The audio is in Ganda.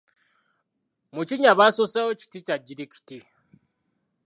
Mu kinnya basoosaayo kiti kya jjirikiti.